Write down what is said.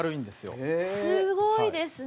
吉高：すごいですね。